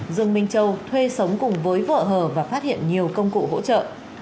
dương minh châu thuê sống cùng với vợ hờ và phát hiện nhiều công cụ hỗ trợ